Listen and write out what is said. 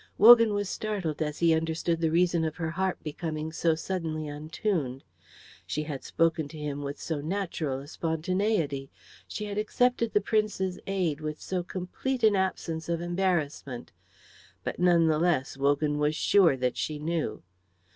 Wogan was startled as he understood the reason of her harp becoming so suddenly untuned. She had spoken to him with so natural a spontaneity, she had accepted the Prince's aid with so complete an absence of embarrassment; but none the less Wogan was sure that she knew.